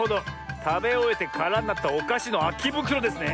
たべおえてからになったおかしのあきぶくろですね。